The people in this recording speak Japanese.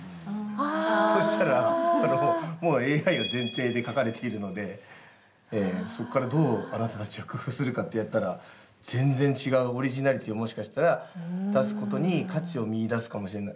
そうしたら、もうＡＩは前提で書かれているのでそこから、どうあなたたちは工夫するかってやったら全然、違うオリジナリティーをもしかしたら、出すことに価値を見いだすかもしれない。